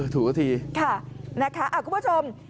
ถูกสักทีค่ะนะคะคุณผู้ชม